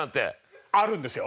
あるんですよ。